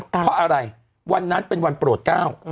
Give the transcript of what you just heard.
เพราะอะไรวันนั้นเป็นวันโปรดก้าว